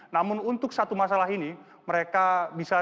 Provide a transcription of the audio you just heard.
namun untuk satu masalah ini mereka bisa